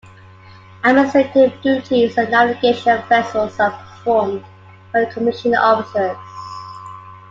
Administrative duties and navigation of the vessels are performed by the commissioned officers.